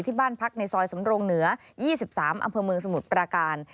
บ้านพักในซอยสำรงเหนือ๒๓อำเภอเมืองสมุทรประการ